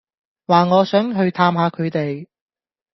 話我想去探吓佢哋